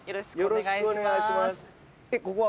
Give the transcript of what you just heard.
よろしくお願いします